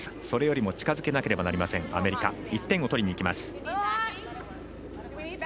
それよりも近づけなければいけませんアメリカ。